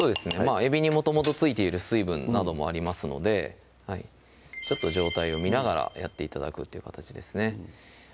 えびにもともと付いている水分などもありますので状態を見ながらやって頂くという形ですね